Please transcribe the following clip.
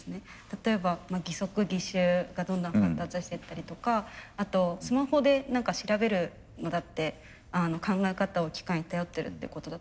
例えば義足義手がどんどん発達してったりとかあとスマホで何か調べるのだって考え方を機械に頼ってるってことだと思うんですね。